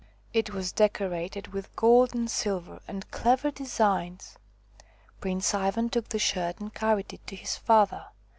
It was decorated with gold and silver and clever designs. Prince Ivan took the shirt and carried it to his father.